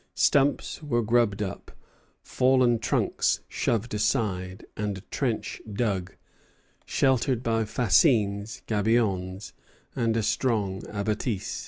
Stumps were grubbed up, fallen trunks shoved aside, and a trench dug, sheltered by fascines, gabions, and a strong abattis.